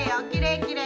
きれい？